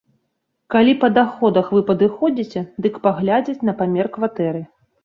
Калі па даходах вы падыходзіце, дык паглядзяць на памер кватэры.